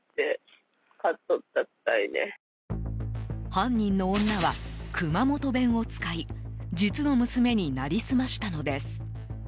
犯人の女は、熊本弁を使い実の娘に成りすましたのです。